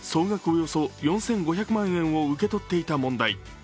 およそ４５００万円を受け取っていた問題。